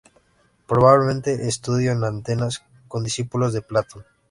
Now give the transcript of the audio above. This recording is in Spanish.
Probablemente estudio en Atenas con discípulos de Platón.